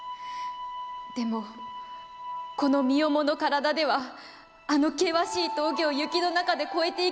でもこの身重の体ではあの険しい峠を雪の中で越えて行くのはとても無理。